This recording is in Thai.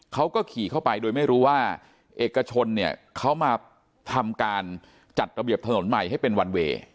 เขาก็ขี่เข้าไปโดยไม่รู้ว่าเอกชนเนี่ยเขามาทำการจัดระเบียบถนนใหม่ให้เป็นวันเวย์